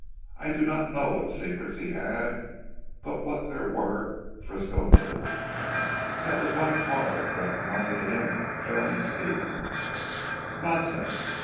I do not know what secrets he had, but what there were Frisco knew. That was why Carr left the money to him failing Stephen." "Nonsense.